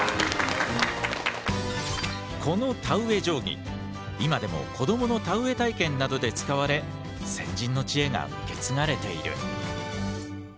この田植え定規今でも子どもの田植え体験などで使われ先人の知恵が受け継がれている。